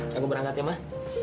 ya aku berangkat ya mak